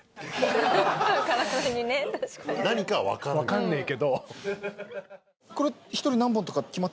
分かんねえけど。